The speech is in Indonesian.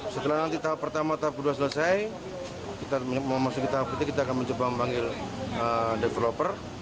setelah nanti tahap pertama tahap kedua selesai kita akan mencoba memanggil developer